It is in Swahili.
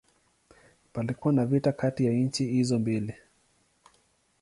Palikuwa na vita kati ya nchi hizo mbili.